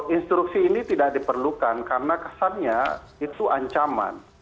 instruksi ini tidak diperlukan karena kesannya itu ancaman